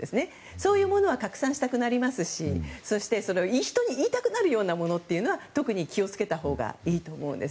そういうものは拡散したくなりますしそして、人に言いたくなるようなものというのは特に気を付けたほうがいいと思います。